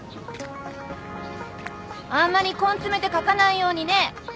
あんまり根詰めて書かないようにね。